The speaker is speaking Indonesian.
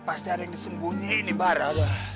pasti ada yang disembunyi ini bara